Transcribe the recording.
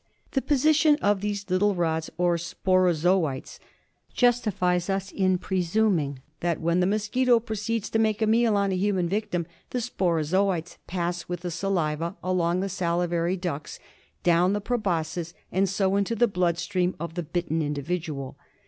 The position of these little rods, or sporozoites, justifies us in presuming that when the mosquito proceeds to make a meal on a human victim the sporozoites pass with the saliva along the salivary ducts, down the proboscis, and so into the blood stream of the bitten individual.